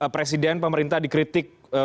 presiden pemerintah dikritik